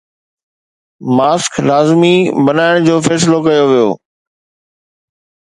Mask لازمي بڻائڻ جو فيصلو ڪيو ويو.